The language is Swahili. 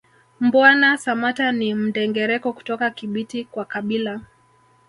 Mbwana Samatta ni Mndengereko kutoka Kibiti kwa kabila